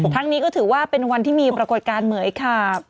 ทั้งนี้ก็ถือว่าเป็นวันที่มีปรากฏการณ์เหมือยขาบ